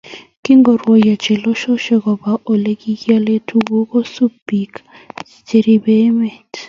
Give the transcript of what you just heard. kingorwoiyo chelososyek koba olegiale tuguk, kisuup biik cheribe emet